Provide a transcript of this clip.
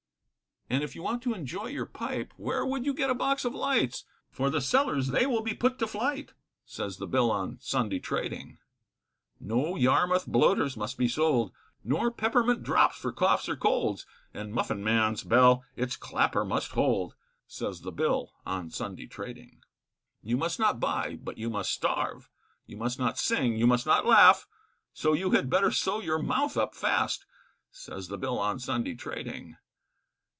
And if you want to enjoy your pipe, Where would you get a box of lights, For the sellers they will be put to flight, Says the Bill on Sunday trading. No Yarmouth bloaters must be sold, Nor peppermint drops for coughs or colds, And muffin man's bell it's clapper must hold, Says the Bill on Sunday trading. You must not buy, but you must starve, You must not sing, you must not laugh, So you had better sow your mouth up fast, Says the Bill on Sunday trading.